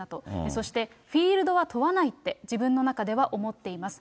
そして、フィールドは問わないって、自分の中では思っています。